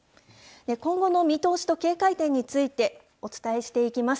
今後の見通しと警戒点についてお伝えしていきます。